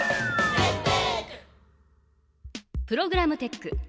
プログラムテック。